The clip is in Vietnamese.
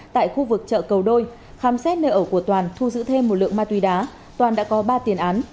tại khu vực chợ cầu đôi khám xét nơi ở của toàn thu giữ thêm một lượng ma túy đá toàn đã có ba tiền án